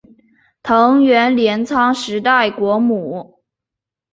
藤原镰仓时代国母。